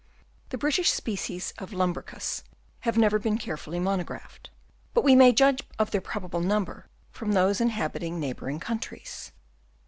The British species of Lumbricus have never been carefully monographed; but we may judge of their probable number from those inhabiting neighbouring countries.